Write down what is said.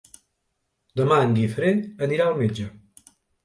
Demà en Guifré anirà al metge.